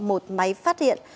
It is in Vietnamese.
một máy phát hiện